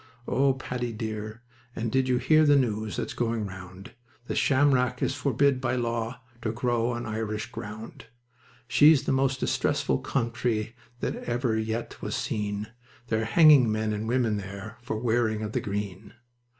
Oh, Paddy dear, and did you hear the news that's going round? The shamrock is forbid by law to grow on Irish ground. She's the most distressful country that ever yet was seen; They're hanging men and women there for wearing of the green.